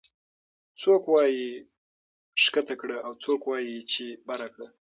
څوک وايي ښکته کړه او څوک وايي چې بره کړه